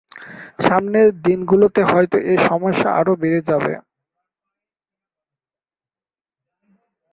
সামনের দিনগুলোতে হয়তো এ সমস্যা আরও বেড়ে যাবে।